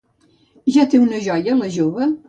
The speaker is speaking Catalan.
Ja té una joia la jove?